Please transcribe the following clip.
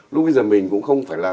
lúc bây giờ mình cũng không phải là